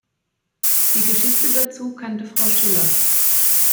Die Geschichte dazu kannte Frau Schiller.